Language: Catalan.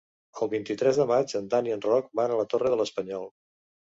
El vint-i-tres de maig en Dan i en Roc van a la Torre de l'Espanyol.